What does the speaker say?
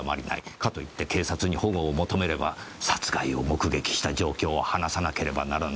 かといって警察に保護を求めれば殺害を目撃した状況を話さなければならない。